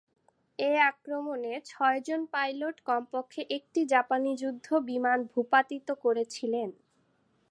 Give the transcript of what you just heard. এ আক্রমণে ছয়জন পাইলট কমপক্ষে একটি জাপানী যুদ্ধ বিমান ভূপাতিত করেছিলেন।